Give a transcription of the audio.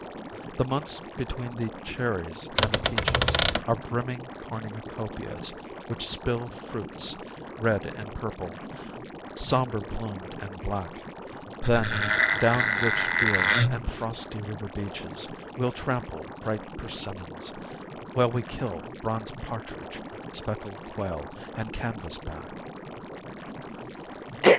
The months between the cherries and the peaches Are brimming cornucopias which spill Fruits red and purple, somber bloomed and black; Then, down rich fields and frosty river beaches We'll trample bright persimmons, while we kill Bronze partridge, speckled quail, and canvas back.